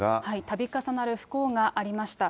たび重なる不幸がありました。